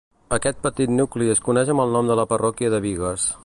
Aquest petit nucli es coneix amb el nom de la Parròquia de Bigues.